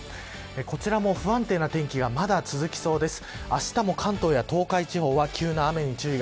こちらも不安定な天気がまだ続きそうです。